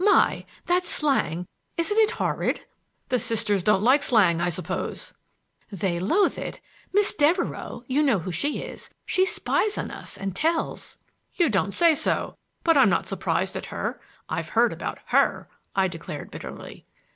My! That's slang,—isn't it horrid?" "The Sisters don't like slang, I suppose?" "They loathe it! Miss Devereux—you know who she is!—she spies on us and tells." "You don't say so; but I'm not surprised at her. I've heard about her!" I declared bitterly.